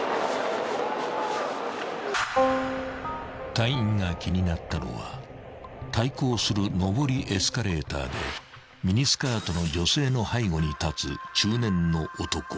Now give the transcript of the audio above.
［隊員が気になったのは対向する上りエスカレーターでミニスカートの女性の背後に立つ］